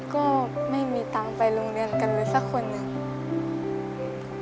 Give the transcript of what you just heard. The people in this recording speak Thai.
ก็ไม่มีตังค์ไปโรงเรียนกันเลยสักคนหนึ่ง